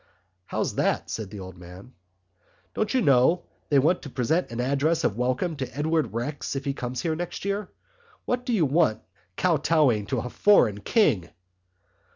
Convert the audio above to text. "How's that?" said the old man. "Don't you know they want to present an address of welcome to Edward Rex if he comes here next year? What do we want kowtowing to a foreign king?"